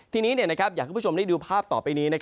ทีนี้อยากให้คุณผู้ชมได้ดูภาพต่อไปนี้